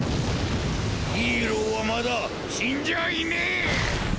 ヒーローはまだ死んじゃいねぇ！